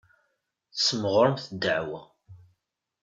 Tesmeɣremt ddeɛwa.